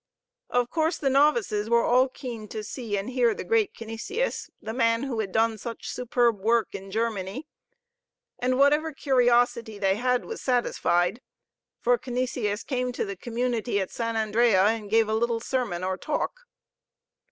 Of course the novices were all keen to see and hear the great Canisius, the man who had done such superb work in Germany. And whatever curiosity they had was satisfied, for Canisius came to the community at Sant' Andrea and gave a little sermon or talk.